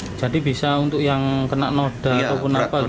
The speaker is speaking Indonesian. jadi bisa untuk yang kena noda ataupun apa gitu ya